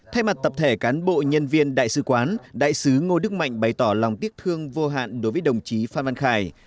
thay mặt tập thể cán bộ nhân viên đại sứ quán đại sứ ngô đức mạnh bày tỏ lòng tiếc thương vô hạn đối với đồng chí phan văn khải